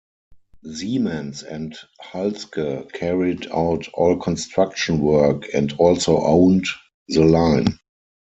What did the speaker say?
Siemens and Halske carried out all construction work and also owned the line.